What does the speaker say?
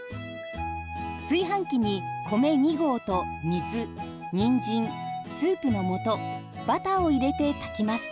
炊飯器に米２合と水にんじんスープの素バターを入れて炊きます。